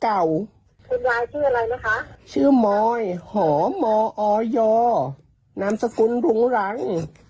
คนร้ายชื่ออะไรนะคะชื่อมอยหอมออยนามสกุลหุงหลัง